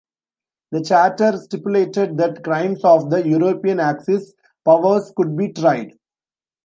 The charter stipulated that crimes of the European Axis Powers could be tried.